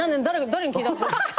誰に聞いたの？